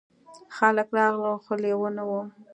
خلک راغلل خو لیوه نه و.